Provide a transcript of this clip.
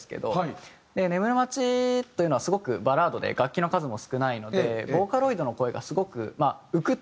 『ねむるまち』というのはすごくバラードで楽器の数も少ないのでボーカロイドの声がすごく浮くというか。